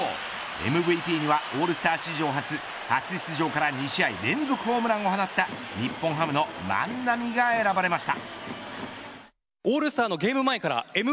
ＭＶＰにはオールスター史上初初出場から２試合連続ホームランを放った日本ハムの万波が選ばれました。